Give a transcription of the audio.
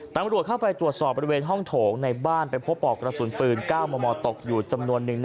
ตำรวจเข้าไปตรวจสอบบริเวณห้องโถงในบ้านไปพบปอกกระสุนปืน๙มมตกอยู่จำนวนนึง